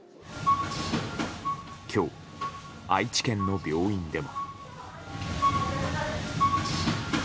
今日、愛知県の病院でも。